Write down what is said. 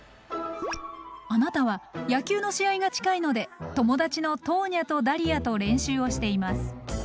あなたは野球の試合が近いので友達のトーニャとダリアと練習をしています。